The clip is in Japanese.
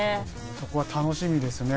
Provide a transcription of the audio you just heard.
そこは楽しみですね。